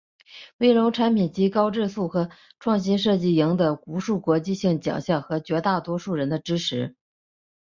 威龙产品籍高质素和创新设计赢得无数国际性奖项和绝大多数人的支援。